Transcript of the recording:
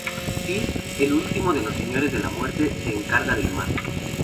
Fist: El último de los señores de la muerte que se encarga del mar.